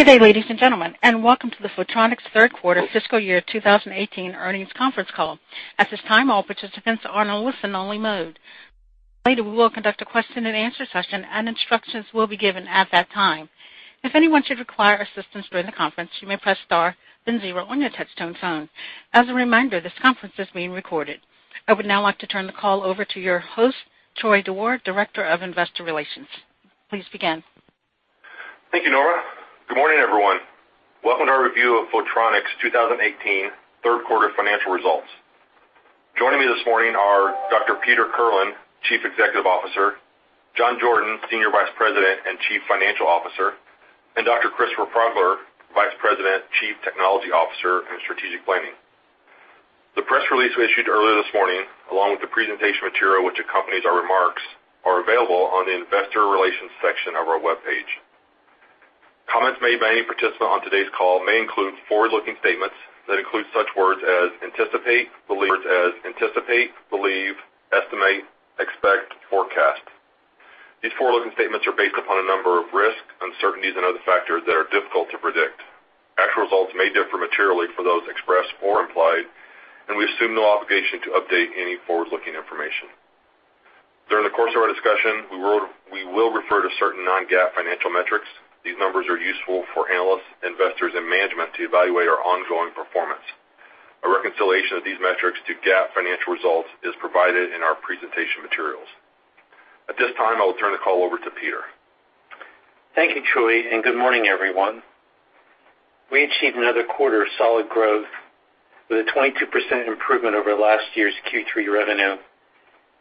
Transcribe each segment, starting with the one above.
Good day, ladies and gentlemen, and welcome to the Photronics Third Quarter Fiscal Year 2018 Earnings Conference Call. At this time, all participants are on a listen-only mode. Later, we will conduct a question-and-answer session, and instructions will be given at that time. If anyone should require assistance during the conference, you may press star then zero on your touch-tone phone. As a reminder, this conference is being recorded. I would now like to turn the call over to your host, Troy Dewar, Director of Investor Relations. Please begin. Thank you, Nora. Good morning, everyone. Welcome to our review of Photronics 2018 Third Quarter Financial Results. Joining me this morning are Dr. Peter Kirlin, Chief Executive Officer, John Jordan, Senior Vice President and Chief Financial Officer, and Dr. Christopher Progler, Vice President, Chief Technology Officer and Strategic Planning. The press release we issued earlier this morning, along with the presentation material which accompanies our remarks, is available on the Investor Relations section of our web page. Comments made by any participant on today's call may include forward-looking statements that include such words as anticipate, believe, estimate, expect, forecast. These forward-looking statements are based upon a number of risks, uncertainties, and other factors that are difficult to predict. Actual results may differ materially for those expressed or implied, and we assume no obligation to update any forward-looking information. During the course of our discussion, we will refer to certain non-GAAP financial metrics. These numbers are useful for analysts, investors, and management to evaluate our ongoing performance. A reconciliation of these metrics to GAAP financial results is provided in our presentation materials. At this time, I will turn the call over to Peter. Thank you, Troy, and good morning, everyone. We achieved another quarter of solid growth with a 22% improvement over last year's Q3 revenue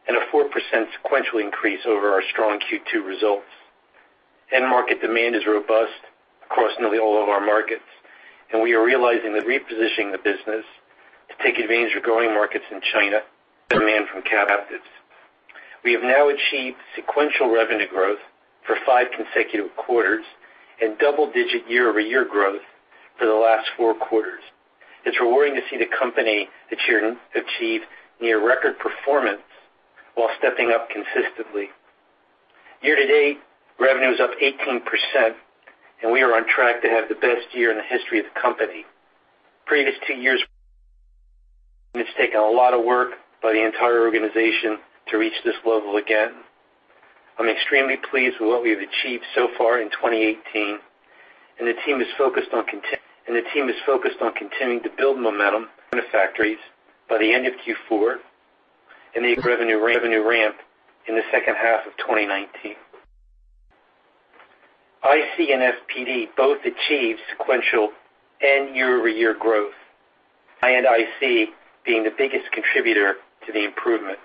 and a 4% sequential increase over our strong Q2 results. End market demand is robust across nearly all of our markets, and we are realizing that repositioning the business to take advantage of growing markets in China and demand from captives. We have now achieved sequential revenue growth for five consecutive quarters and double-digit year-over-year growth for the last four quarters. It's rewarding to see the company achieve near-record performance while stepping up consistently. Year to date, revenue is up 18%, and we are on track to have the best year in the history of the company. Previous two years, it's taken a lot of work by the entire organization to reach this level again. I'm extremely pleased with what we've achieved so far in 2018, and the team is focused on continuing to build momentum in the factories by the end of Q4 and the revenue ramp in the second half of 2019. IC and FPD both achieved sequential and year-over-year growth, with IC being the biggest contributor to the improvement.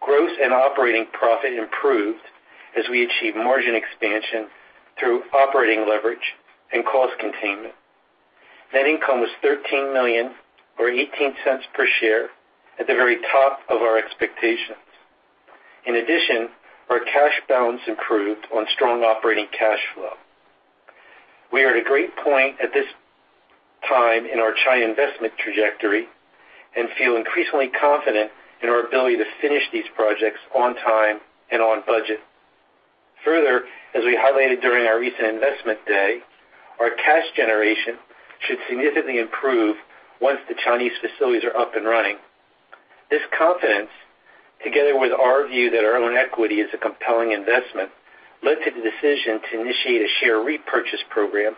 Gross and operating profit improved as we achieved margin expansion through operating leverage and cost containment. Net income was $13 million or $0.18 per share, at the very top of our expectations. In addition, our cash balance improved on strong operating cash flow. We are at a great point at this time in our China investment trajectory and feel increasingly confident in our ability to finish these projects on time and on budget. Further, as we highlighted during our recent investment day, our cash generation should significantly improve once the Chinese facilities are up and running. This confidence, together with our view that our own equity is a compelling investment, led to the decision to initiate a share repurchase program,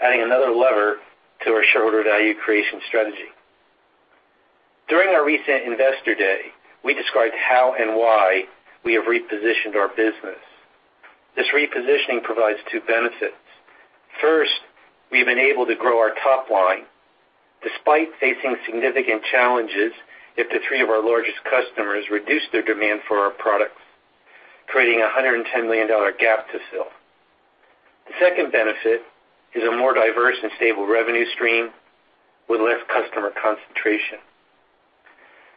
adding another lever to our shareholder value creation strategy. During our recent investor day, we described how and why we have repositioned our business. This repositioning provides two benefits. First, we've been able to grow our top line despite facing significant challenges as the three of our largest customers reduced their demand for our products, creating a $110 million gap to fill. The second benefit is a more diverse and stable revenue stream with less customer concentration.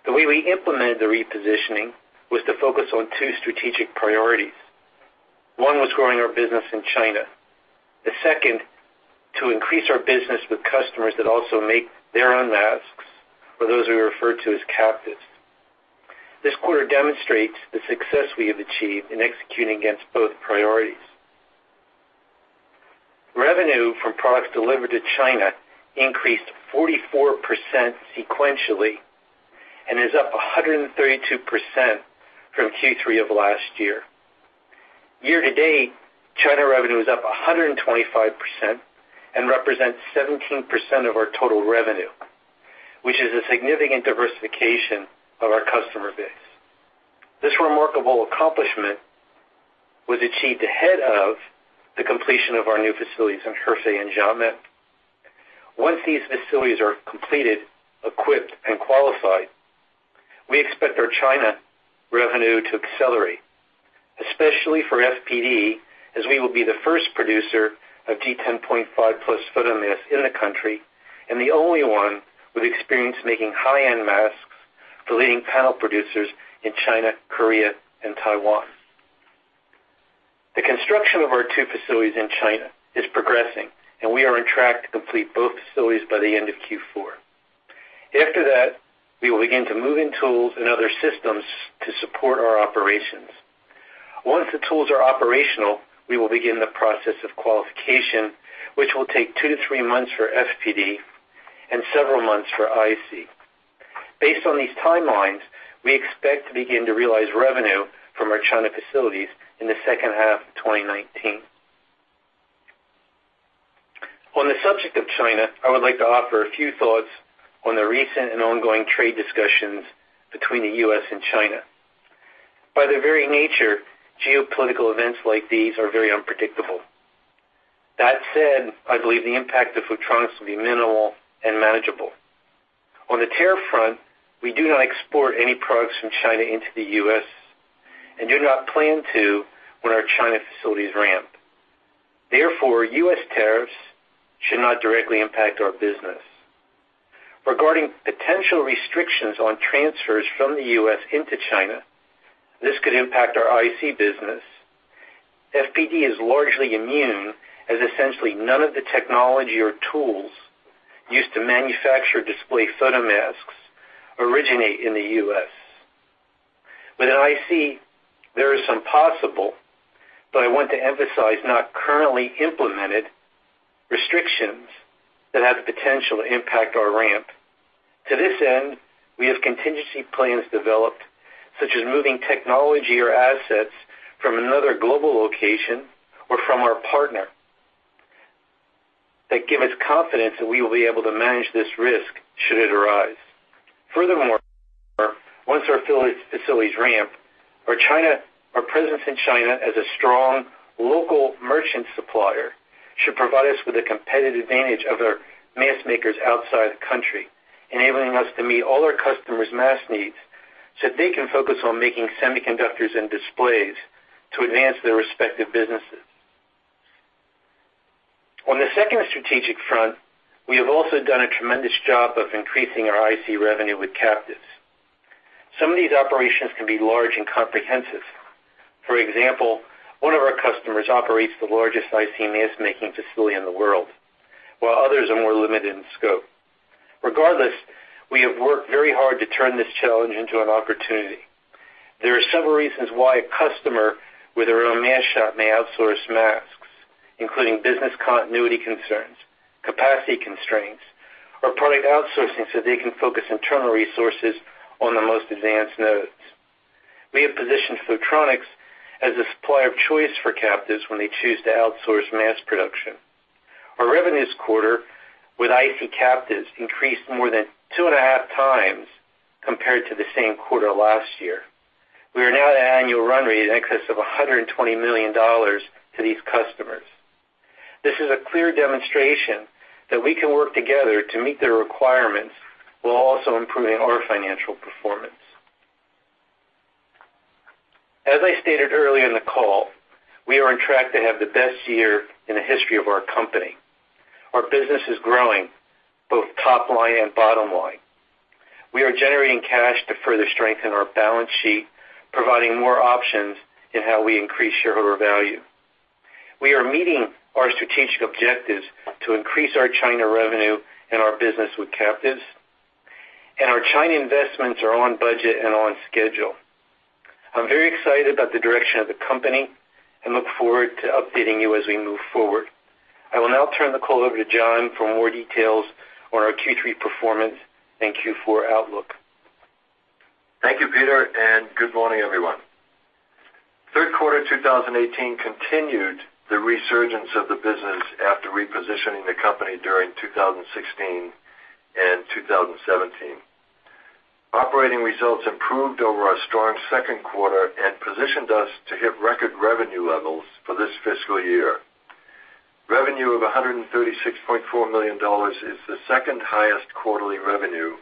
The way we implemented the repositioning was to focus on two strategic priorities. One was growing our business in China. The second, to increase our business with customers that also make their own masks, or those we refer to as captives. This quarter demonstrates the success we have achieved in executing against both priorities. Revenue from products delivered to China increased 44% sequentially and is up 132% from Q3 of last year. Year to date, China revenue is up 125% and represents 17% of our total revenue, which is a significant diversification of our customer base. This remarkable accomplishment was achieved ahead of the completion of our new facilities in Hefei and Xiamen. Once these facilities are completed, equipped, and qualified, we expect our China revenue to accelerate, especially for FPD, as we will be the first producer of G10.5+ photomask in the country and the only one with experience making high-end masks for leading panel producers in China, Korea, and Taiwan. The construction of our two facilities in China is progressing, and we are on track to complete both facilities by the end of Q4. After that, we will begin to move in tools and other systems to support our operations. Once the tools are operational, we will begin the process of qualification, which will take two to three months for FPD and several months for IC. Based on these timelines, we expect to begin to realize revenue from our China facilities in the second half of 2019. On the subject of China, I would like to offer a few thoughts on the recent and ongoing trade discussions between the U.S. and China. By their very nature, geopolitical events like these are very unpredictable. That said, I believe the impact of Photronics will be minimal and manageable. On the tariff front, we do not export any products from China into the U.S. and do not plan to when our China facilities ramp. Therefore, U.S. tariffs should not directly impact our business. Regarding potential restrictions on transfers from the U.S. into China, this could impact our IC business. FPD is largely immune, as essentially none of the technology or tools used to manufacture or display photomasks originate in the U.S. Within IC, there are some possible, but I want to emphasize not currently implemented, restrictions that have the potential to impact our ramp. To this end, we have contingency plans developed, such as moving technology or assets from another global location or from our partner, that give us confidence that we will be able to manage this risk should it arise. Furthermore, once our facilities ramp, our presence in China as a strong local merchant supplier should provide us with a competitive advantage over mask makers outside the country, enabling us to meet all our customers' mask needs so that they can focus on making semiconductors and displays to advance their respective businesses. On the second strategic front, we have also done a tremendous job of increasing our IC revenue with captives. Some of these operations can be large and comprehensive. For example, one of our customers operates the largest IC mask-making facility in the world, while others are more limited in scope. Regardless, we have worked very hard to turn this challenge into an opportunity. There are several reasons why a customer with their own mask shop may outsource masks, including business continuity concerns, capacity constraints, or product outsourcing so they can focus internal resources on the most advanced nodes. We have positioned Photronics as a supplier of choice for captives when they choose to outsource mask production. Our revenue this quarter with IC captives increased more than two and a half times compared to the same quarter last year. We are now at an annual run rate in excess of $120 million to these customers. This is a clear demonstration that we can work together to meet their requirements while also improving our financial performance. As I stated earlier in the call, we are on track to have the best year in the history of our company. Our business is growing, both top line and bottom line. We are generating cash to further strengthen our balance sheet, providing more options in how we increase shareholder value. We are meeting our strategic objectives to increase our China revenue and our business with captives, and our China investments are on budget and on schedule. I'm very excited about the direction of the company and look forward to updating you as we move forward. I will now turn the call over to John for more details on our Q3 performance and Q4 outlook. Thank you, Peter, and good morning, everyone. Third Quarter 2018 continued the resurgence of the business after repositioning the company during 2016 and 2017. Operating results improved over our strong second quarter and positioned us to hit record revenue levels for this fiscal year. Revenue of $136.4 million is the second highest quarterly revenue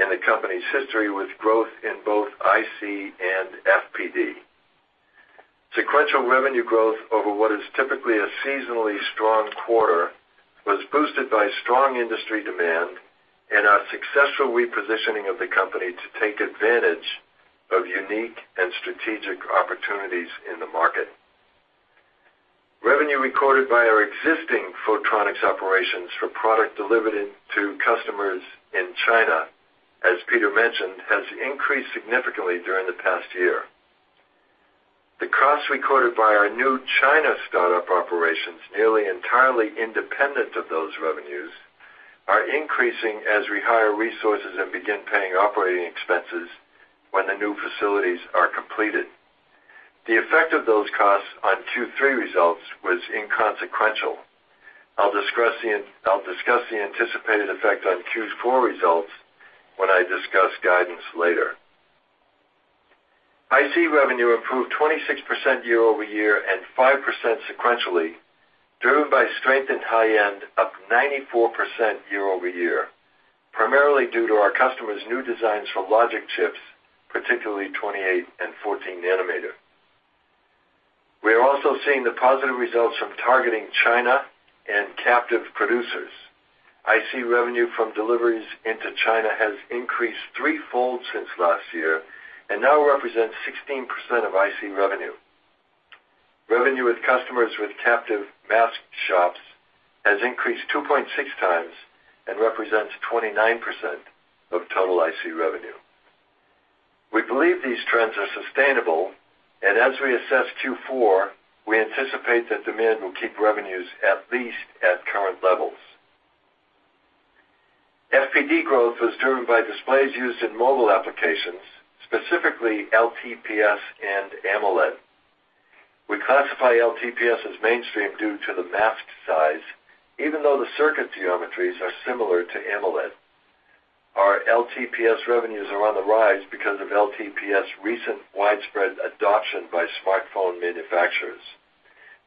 in the company's history, with growth in both IC and FPD. Sequential revenue growth over what is typically a seasonally strong quarter was boosted by strong industry demand and our successful repositioning of the company to take advantage of unique and strategic opportunities in the market. Revenue recorded by our existing Photronics operations for product delivered to customers in China, as Peter mentioned, has increased significantly during the past year. The costs recorded by our new China startup operations, nearly entirely independent of those revenues, are increasing as we hire resources and begin paying operating expenses when the new facilities are completed. The effect of those costs on Q3 results was inconsequential. I'll discuss the anticipated effect on Q4 results when I discuss guidance later. IC revenue improved 26% year over year and 5% sequentially, driven by strengthened high-end up 94% year over year, primarily due to our customers' new designs for logic chips, particularly 28- and 14-nanometer. We are also seeing the positive results from targeting China and captive producers. IC revenue from deliveries into China has increased threefold since last year and now represents 16% of IC revenue. Revenue with customers with captive mask shops has increased 2.6 times and represents 29% of total IC revenue. We believe these trends are sustainable, and as we assess Q4, we anticipate that demand will keep revenues at least at current levels. FPD growth was driven by displays used in mobile applications, specifically LTPS and AMOLED. We classify LTPS as mainstream due to the mask size, even though the circuit geometries are similar to AMOLED. Our LTPS revenues are on the rise because of LTPS' recent widespread adoption by smartphone manufacturers.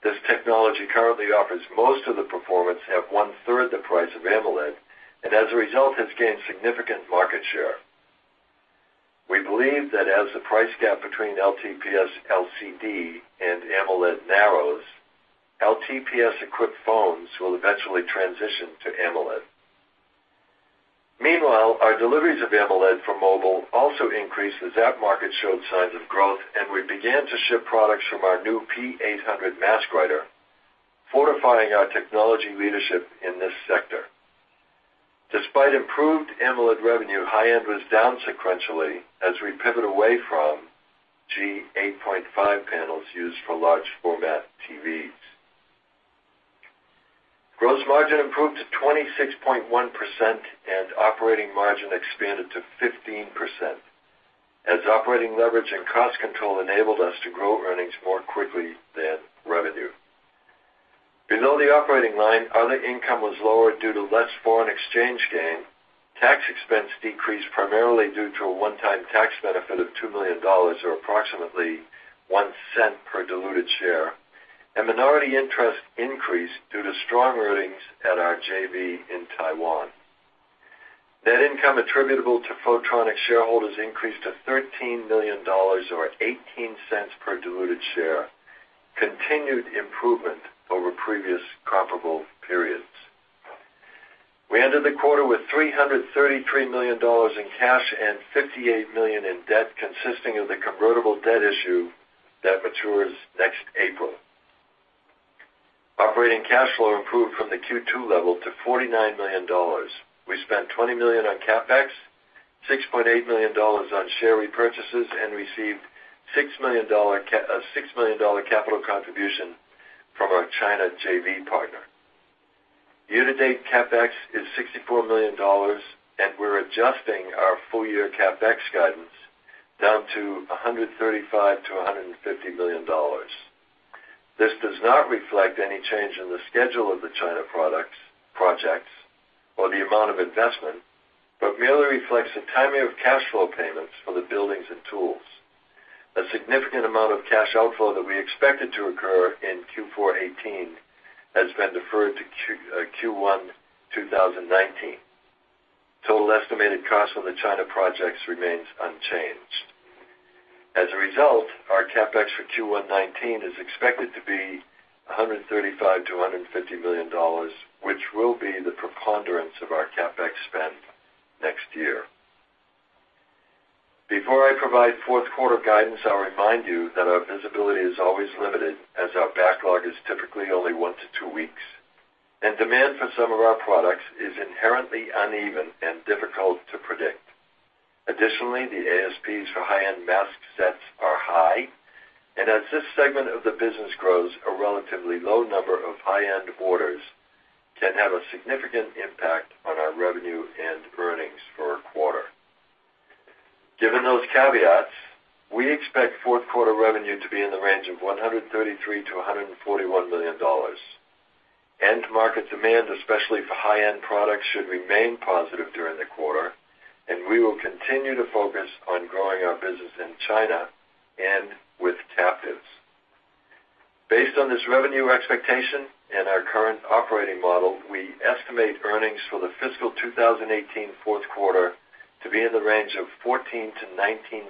This technology currently offers most of the performance at one-third the price of AMOLED, and as a result, has gained significant market share. We believe that as the price gap between LTPS LCD and AMOLED narrows, LTPS-equipped phones will eventually transition to AMOLED. Meanwhile, our deliveries of AMOLED for mobile also increased as that market showed signs of growth, and we began to ship products from our new P-800 mask writer, fortifying our technology leadership in this sector. Despite improved AMOLED revenue, high-end was down sequentially as we pivot away from G8.5 panels used for large-format TVs. Gross margin improved to 26.1%, and operating margin expanded to 15%, as operating leverage and cost control enabled us to grow earnings more quickly than revenue. Below the operating line, other income was lower due to less foreign exchange gain. Tax expense decreased primarily due to a one-time tax benefit of $2 million, or approximately $0.01 per diluted share, and minority interest increased due to strong earnings at our JV in Taiwan. Net income attributable to Photronics shareholders increased to $13 million, or $0.18 per diluted share, continued improvement over previous comparable periods. We ended the quarter with $333 million in cash and $58 million in debt, consisting of the convertible debt issue that matures next April. Operating cash flow improved from the Q2 level to $49 million. We spent $20 million on CapEx, $6.8 million on share repurchases, and received a $6 million capital contribution from our China JV partner. Year to date, CapEx is $64 million, and we're adjusting our full-year CapEx guidance down to $135 million-$150 million. This does not reflect any change in the schedule of the China products projects or the amount of investment, but merely reflects the timing of cash flow payments for the buildings and tools. A significant amount of cash outflow that we expected to occur in Q4 2018 has been deferred to Q1 2019. Total estimated costs of the China projects remains unchanged. As a result, our CapEx for Q1 2019 is expected to be $135 million-$150 million, which will be the preponderance of our CapEx spend next year. Before I provide fourth quarter guidance, I'll remind you that our visibility is always limited, as our backlog is typically only one to two weeks, and demand for some of our products is inherently uneven and difficult to predict. Additionally, the ASPs for high-end mask sets are high, and as this segment of the business grows, a relatively low number of high-end orders can have a significant impact on our revenue and earnings for a quarter. Given those caveats, we expect fourth quarter revenue to be in the range of $133 million-$141 million. End-market demand, especially for high-end products, should remain positive during the quarter, and we will continue to focus on growing our business in China and with captives. Based on this revenue expectation and our current operating model, we estimate earnings for the fiscal 2018 fourth quarter to be in the range of $0.14-$0.19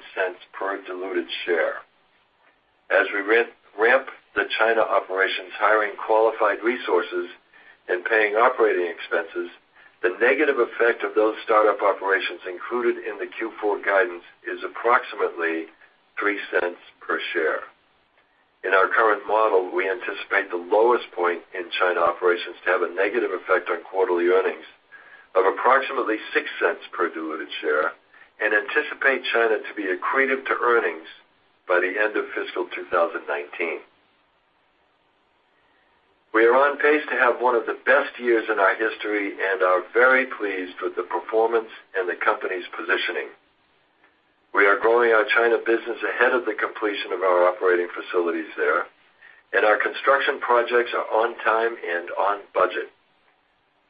per diluted share. As we ramp the China operations, hiring qualified resources, and paying operating expenses, the negative effect of those startup operations included in the Q4 guidance is approximately $0.03 per share. In our current model, we anticipate the lowest point in China operations to have a negative effect on quarterly earnings of approximately $0.06 per diluted share and anticipate China to be accretive to earnings by the end of fiscal 2019. We are on pace to have one of the best years in our history, and are very pleased with the performance and the company's positioning. We are growing our China business ahead of the completion of our operating facilities there, and our construction projects are on time and on budget.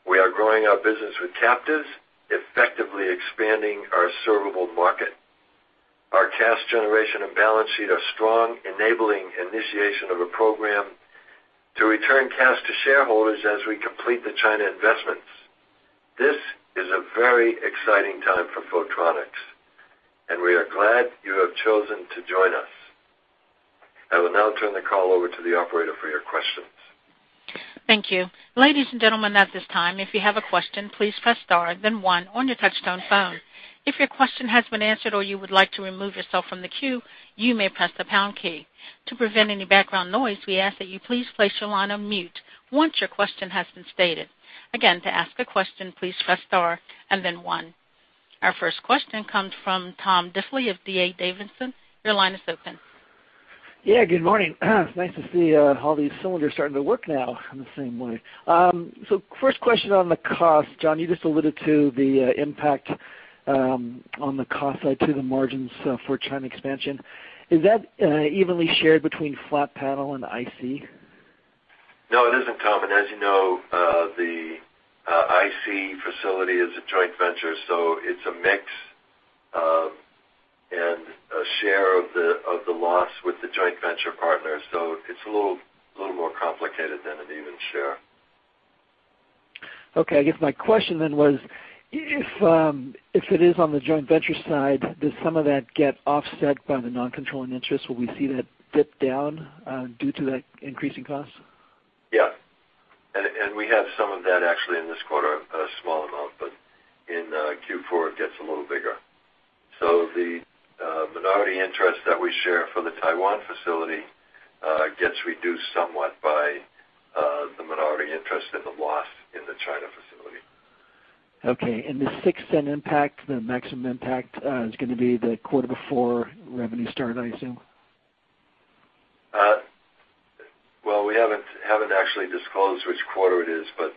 We are growing our business with captives, effectively expanding our servable market. Our cash generation and balance sheet are strong, enabling initiation of a program to return cash to shareholders as we complete the China investments. This is a very exciting time for Photronics, and we are glad you have chosen to join us. I will now turn the call over to the operator for your questions. Thank you. Ladies and gentlemen, at this time, if you have a question, please press star, then one on your touch-tone phone. If your question has been answered or you would like to remove yourself from the queue, you may press the pound key. To prevent any background noise, we ask that you please place your line on mute once your question has been stated. Again, to ask a question, please press star and then one. Our first question comes from Tom Diffely of D.A. Davidson. Your line is open. Yeah, good morning. It's nice to see all these cylinders starting to work now in the same way. So first question on the cost, John, you just alluded to the impact on the cost side to the margins for China expansion. Is that evenly shared between flat panel and IC? No, it isn't Tom. As you know, the IC facility is a joint venture, so it's a mix and a share of the loss with the joint venture partner. So it's a little more complicated than an even share. Okay. I guess my question then was, if it is on the joint venture side, does some of that get offset by the non-controlling interest? Will we see that dip down due to that increasing cost? Yes. And we have some of that actually in this quarter, a small amount, but in Q4, it gets a little bigger. So the minority interest that we share for the Taiwan facility gets reduced somewhat by the minority interest in the loss in the China facility. Okay. And the six-cent impact, the maximum impact, is going to be the quarter before revenue start, I assume? We haven't actually disclosed which quarter it is, but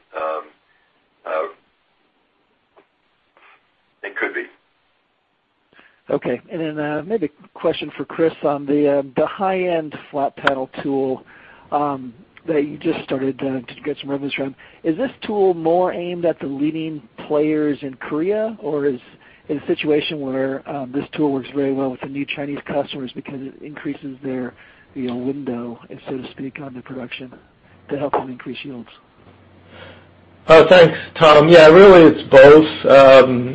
it could be. Okay. And then maybe a question for Chris on the high-end flat panel tool that you just started to get some revenues from. Is this tool more aimed at the leading players in Korea, or is it a situation where this tool works very well with the new Chinese customers because it increases their window, so to speak, on the production to help them increase yields? Oh, thanks, Tom. Yeah, really, it's both.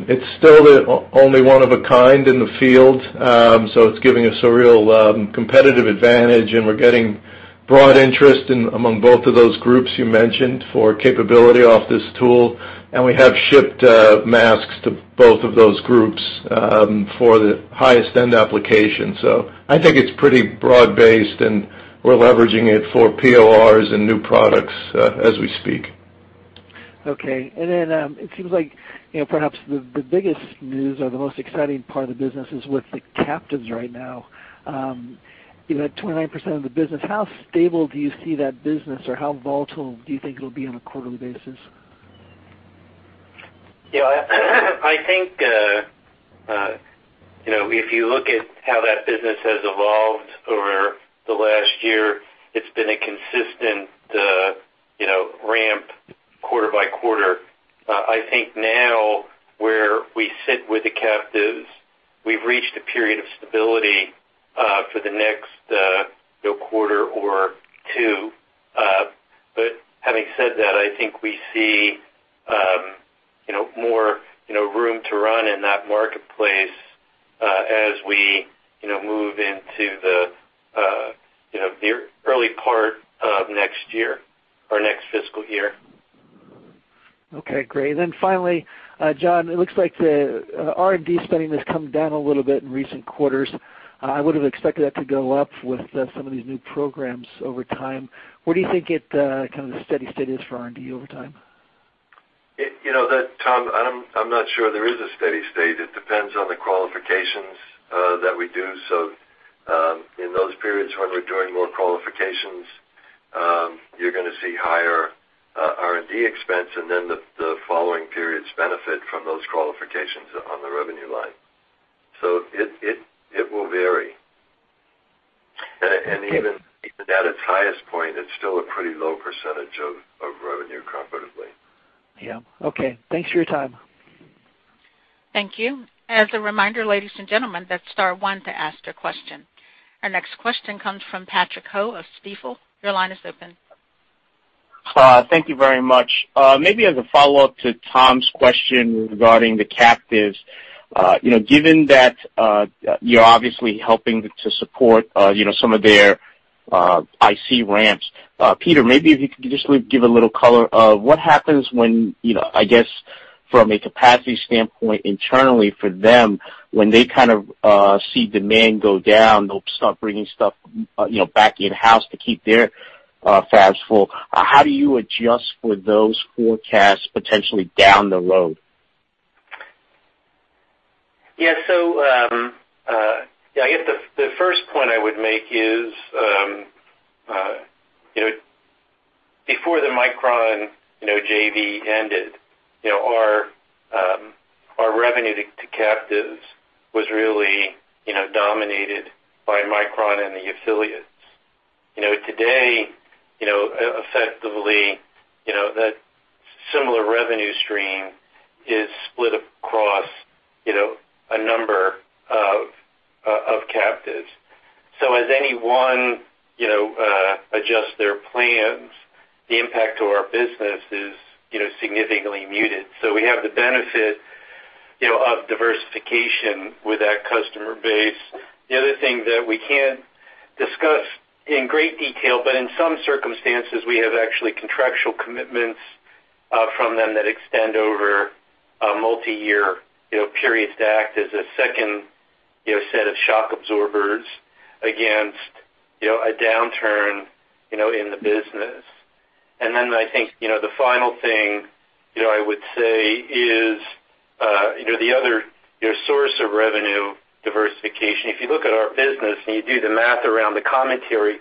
It's still the only one of a kind in the field, so it's giving us a real competitive advantage, and we're getting broad interest among both of those groups you mentioned for capability off this tool, and we have shipped masks to both of those groups for the highest-end application, so I think it's pretty broad-based, and we're leveraging it for PORs and new products as we speak. Okay. And then it seems like perhaps the biggest news or the most exciting part of the business is with the captives right now. You had 29% of the business. How stable do you see that business, or how volatile do you think it'll be on a quarterly basis? Yeah. I think if you look at how that business has evolved over the last year, it's been a consistent ramp quarter by quarter. I think now where we sit with the captives, we've reached a period of stability for the next quarter or two. But having said that, I think we see more room to run in that marketplace as we move into the early part of next year, our next fiscal year. Okay. Great. And then finally, John, it looks like the R&D spending has come down a little bit in recent quarters. I would have expected that to go up with some of these new programs over time. Where do you think kind of the steady state is for R&D over time? You know that, Tom, I'm not sure there is a steady state. It depends on the qualifications that we do. So in those periods when we're doing more qualifications, you're going to see higher R&D expense, and then the following periods benefit from those qualifications on the revenue line. So it will vary. And even at its highest point, it's still a pretty low percentage of revenue comparatively. Yeah. Okay. Thanks for your time. Thank you. As a reminder, ladies and gentlemen, that's star one to ask your question. Our next question comes from Patrick Ho of Stifel. Your line is open. Thank you very much. Maybe as a follow-up to Tom's question regarding the captives, given that you're obviously helping to support some of their IC ramps, Peter, maybe if you could just give a little color of what happens when, I guess, from a capacity standpoint internally for them, when they kind of see demand go down, they'll start bringing stuff back in-house to keep their fabs full. How do you adjust for those forecasts potentially down the road? Yeah. So I guess the first point I would make is before the Micron JV ended, our revenue to captives was really dominated by Micron and the affiliates. Today, effectively, that similar revenue stream is split across a number of captives. So as anyone adjusts their plans, the impact to our business is significantly muted. So we have the benefit of diversification with that customer base. The other thing that we can't discuss in great detail, but in some circumstances, we have actually contractual commitments from them that extend over multi-year periods to act as a second set of shock absorbers against a downturn in the business. And then I think the final thing I would say is the other source of revenue diversification. If you look at our business and you do the math around the commentary,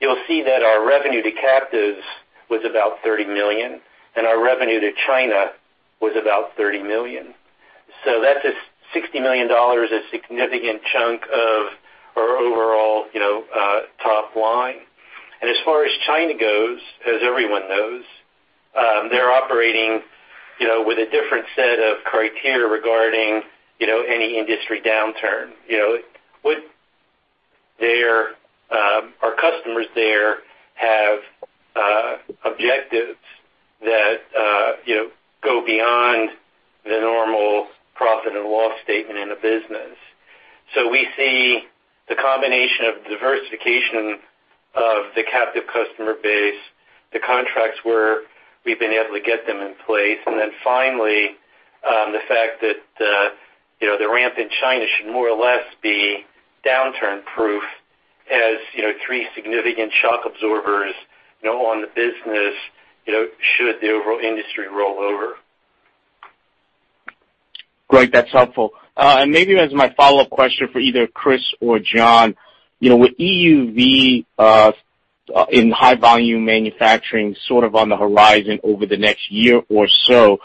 you'll see that our revenue to captives was about $30 million, and our revenue to China was about $30 million. So that's $60 million is a significant chunk of our overall top line. And as far as China goes, as everyone knows, they're operating with a different set of criteria regarding any industry downturn. Our customers there have objectives that go beyond the normal profit and loss statement in a business. So we see the combination of diversification of the captive customer base, the contracts where we've been able to get them in place, and then finally, the fact that the ramp in China should more or less be downturn-proof as three significant shock absorbers on the business should the overall industry roll over. Great. That's helpful. And maybe as my follow-up question for either Chris or John, with EUV in high-volume manufacturing sort of on the horizon over the next year or so,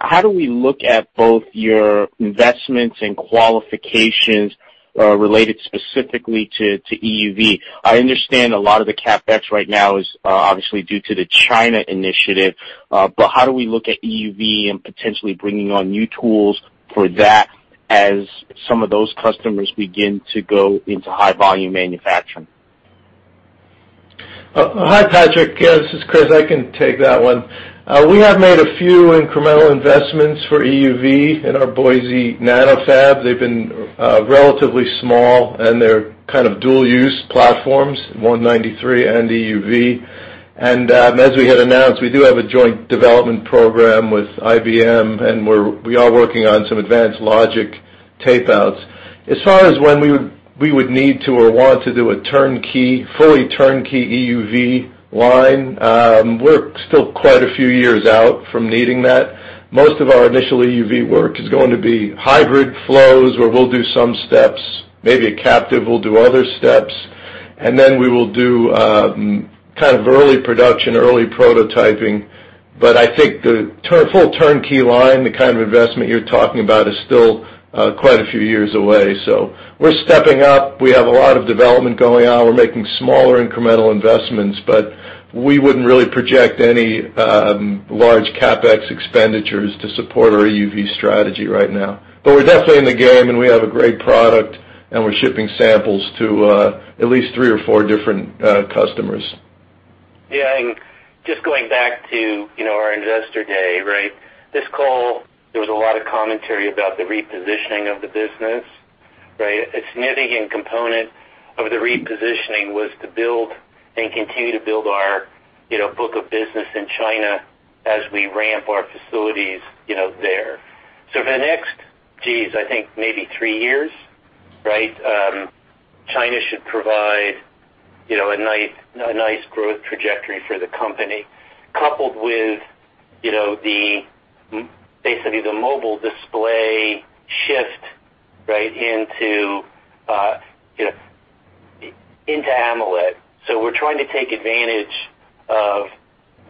how do we look at both your investments and qualifications related specifically to EUV? I understand a lot of the CapEx right now is obviously due to the China initiative, but how do we look at EUV and potentially bringing on new tools for that as some of those customers begin to go into high-volume manufacturing? Hi, Patrick. This is Chris. I can take that one. We have made a few incremental investments for EUV in our Boise NanoFab. They've been relatively small, and they're kind of dual-use platforms, 193 and EUV. And as we had announced, we do have a joint development program with IBM, and we are working on some advanced logic tapeouts. As far as when we would need to or want to do a fully turnkey EUV line, we're still quite a few years out from needing that. Most of our initial EUV work is going to be hybrid flows where we'll do some steps. Maybe a captive will do other steps. And then we will do kind of early production, early prototyping. But I think the full turnkey line, the kind of investment you're talking about, is still quite a few years away. So we're stepping up. We have a lot of development going on. We're making smaller incremental investments, but we wouldn't really project any large CapEx expenditures to support our EUV strategy right now. But we're definitely in the game, and we have a great product, and we're shipping samples to at least three or four different customers. Yeah. And just going back to our investor day, right? This call, there was a lot of commentary about the repositioning of the business, right? A significant component of the repositioning was to build and continue to build our book of business in China as we ramp our facilities there. So for the next, geez, I think maybe three years, right, China should provide a nice growth trajectory for the company, coupled with basically the mobile display shift, right, into AMOLED. So we're trying to take advantage of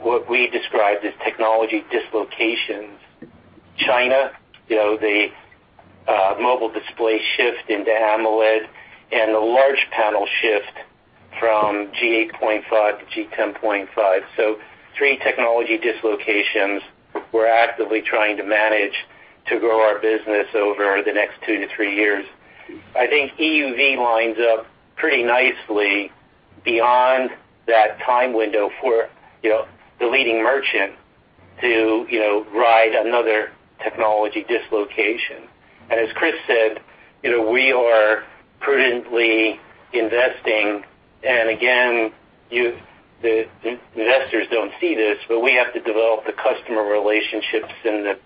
what we described as technology dislocations: China, the mobile display shift into AMOLED, and the large panel shift from G8.5 to G10.5. So three technology dislocations we're actively trying to manage to grow our business over the next two to three years. I think EUV lines up pretty nicely beyond that time window for the leading merchant to ride another technology dislocation. As Chris said, we are prudently investing. Again, the investors don't see this, but we have to develop the customer relationships and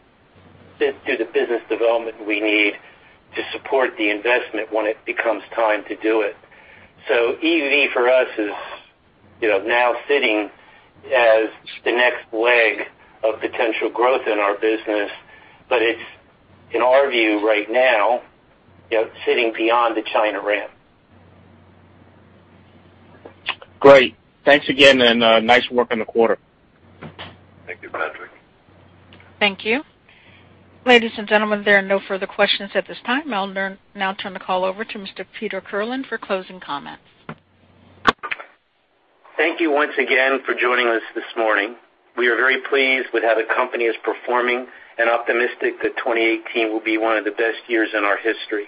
do the business development we need to support the investment when it becomes time to do it. EUV for us is now sitting as the next leg of potential growth in our business, but it's, in our view right now, sitting beyond the China ramp. Great. Thanks again, and nice work in the quarter. Thank you, Patrick. Thank you. Ladies and gentlemen, there are no further questions at this time. I'll now turn the call over to Mr. Peter Kirlin for closing comments. Thank you once again for joining us this morning. We are very pleased with how the company is performing and optimistic that 2018 will be one of the best years in our history,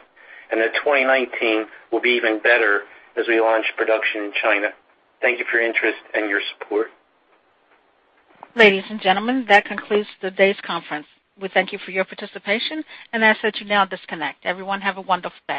and that 2019 will be even better as we launch production in China. Thank you for your interest and your support. Ladies and gentlemen, that concludes today's conference. We thank you for your participation, and I'll let you now disconnect. Everyone, have a wonderful.